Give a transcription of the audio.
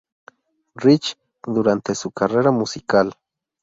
Rich durante su carrera musical.